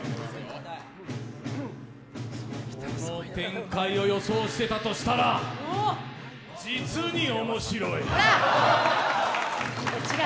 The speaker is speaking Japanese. この展開を予想してたとしたら実に面白い。